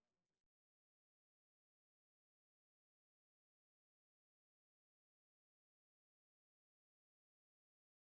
ia ngomong bagaimana ia crisis relations sempurna dengan dari dijengkel bip ted